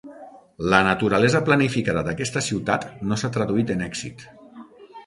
La naturalesa planificada d'aquesta ciutat no s'ha traduït en èxit.